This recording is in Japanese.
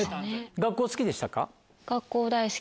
学校大好きでした。